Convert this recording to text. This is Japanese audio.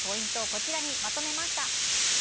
こちらにまとめました。